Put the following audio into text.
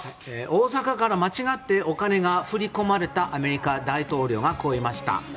大阪から間違ってお金が振り込まれたアメリカ大統領がこう言いました。